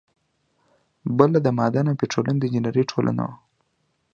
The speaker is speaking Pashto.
بله د معدن او پیټرولیم د انجینری ټولنه وه.